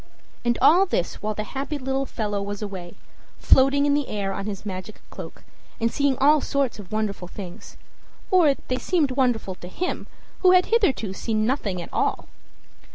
And all this while the happy little fellow was away, floating in the air on his magic cloak, and seeing all sorts of wonderful things or they seemed wonderful to him, who had hitherto seen nothing at all.